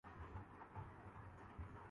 زیادہ نشستوں پر کامیابی حاصل کی